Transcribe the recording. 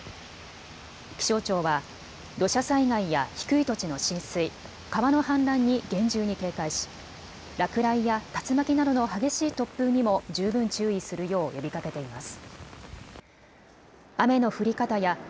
気象庁は土砂災害や低い土地の浸水、川の氾濫に厳重に警戒し落雷や竜巻などの激しい突風にも十分注意するよう呼びかけています。